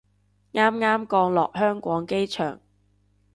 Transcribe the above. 啱啱降落香港機場